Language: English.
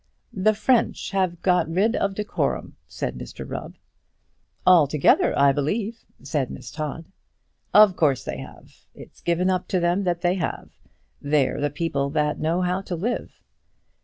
"The French have got rid of decorum," said Mr Rubb. "Altogether, I believe," said Miss Todd. "Of course they have. It's given up to them that they have. They're the people that know how to live!"